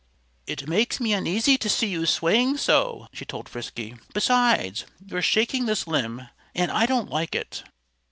"It makes me uneasy to see you swaying so," she told Frisky. "Besides, you're shaking this limb. And I don't like it."